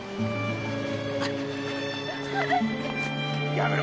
やめろ！